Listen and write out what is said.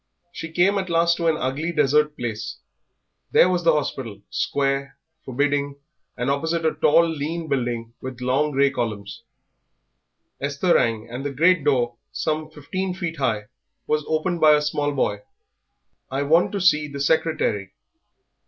She came at last to an ugly desert place. There was the hospital, square, forbidding; and opposite a tall, lean building with long grey columns. Esther rang, and the great door, some fifteen feet high, was opened by a small boy. "I want to see the secretary."